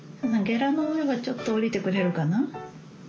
ゲラの上はちょっと下りてくれるかな？